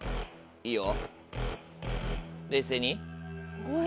いいよ。